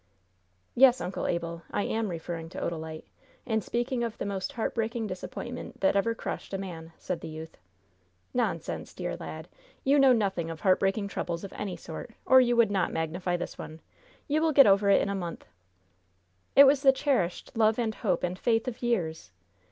"Yes, Uncle Abel, I am referring to Odalite, and speaking of the most heartbreaking disappointment that ever crushed a man," said the youth. "Nonsense, dear lad! You know nothing of heartbreaking troubles of any sort, or you would not magnify this one! You will get over it in a month." "It was the cherished love and hope and faith of years."